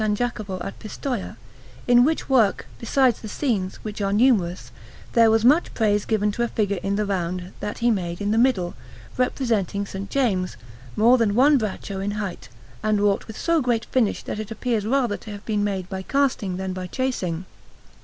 Jacopo at Pistoia; in which work, besides the scenes, which are numerous, there was much praise given to a figure in the round that he made in the middle, representing S. James, more than one braccio in height, and wrought with so great finish that it appears rather to have been made by casting than by chasing.